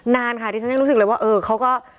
นานค่ะที่ฉันยังรู้สึกเลยว่าเออเขาก็